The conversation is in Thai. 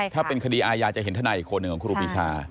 ถ้าเป็นคดีอาญาจะเห็นทนายอีกคนหนึ่งของครูปีชา